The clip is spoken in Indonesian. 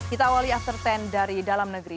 kita awali after sepuluh dari dalam negeri